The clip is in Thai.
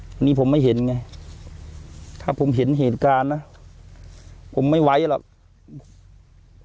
อันนี้ผมไม่เห็นไงถ้าผมเห็นเหตุการณ์นะผมไม่ไหวหรอก